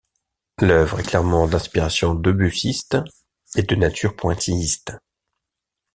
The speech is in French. L'œuvre est clairement d'inspiration debussyste et de nature pointilliste.